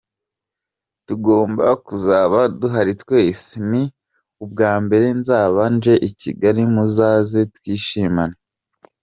Tugomba kuzaba duhari twese, ni ubwa mbere nzaba nje i Kigali, muzaze twishimane.